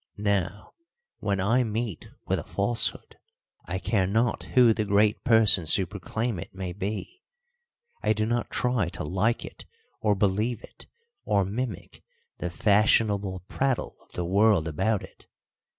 Now, when I meet with a falsehood, I care not who the great persons who proclaim it may be, I do not try to like it or believe it or mimic the fashionable prattle of the world about it.